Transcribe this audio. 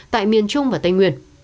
tại miền trung và tây nguyên